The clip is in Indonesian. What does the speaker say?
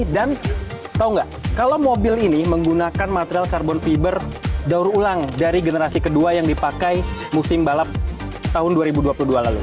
dan tahu nggak kalau mobil ini menggunakan material carbon fiber daur ulang dari generasi kedua yang dipakai musim balap tahun dua ribu dua puluh dua lalu